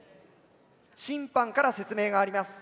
審判から説明があります。